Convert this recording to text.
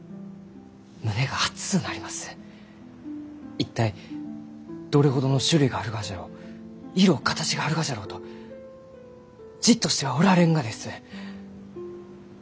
一体どれほどの種類があるがじゃろう色形があるがじゃろうとじっとしてはおられんがです！